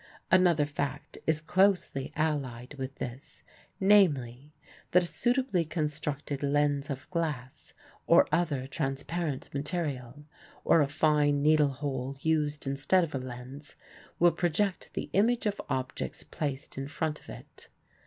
Another fact is closely allied with this, namely, that a suitably constructed lens of glass or other transparent material, or a fine needle hole used instead of a lens, will project the image of objects placed in front of it.